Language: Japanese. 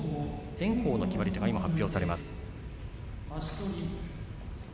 炎鵬の決まり手が今、発表されます。